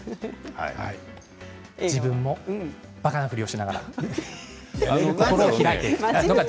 自分もばかなふりをしながら心を開いていく。